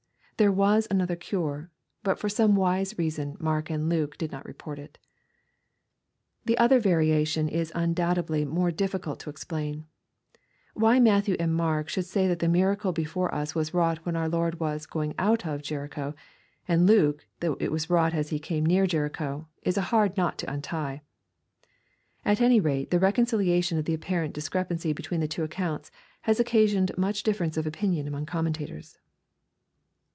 There was another cure, but for some wise reason, Mark and Luke did not report it. The other variation is undoubtedly more difficult of explanation. Why Matthew and Mark should say that the miracle before us was wrought when our Lord was " going out of" Jericho, and Luke, that it was wrought as He " came near" to Jericho, is a hard knot to untie. At any rate the reconciliation of the apparent dis crepancy between the two accounts, has occasioned much differ ence of opinion among commentators.